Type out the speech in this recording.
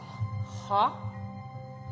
はあ？